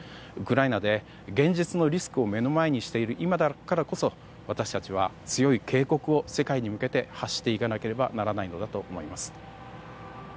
ウクライナで現実のリスクを目の前にしている今だからこそ私たちは強い警告を世界に向けて発していなかなければならないのだと思います。